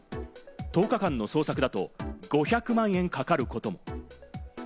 １０日間の捜索だと５００万円かかることも。